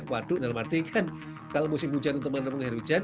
waduk dalam arti kan kalau musim hujan untuk menurut saya hujan